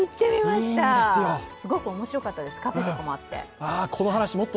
すごく面白かったです、カフェとかもあって。